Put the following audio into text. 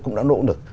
cũng đã nỗ lực